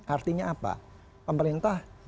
artinya apa pemerintah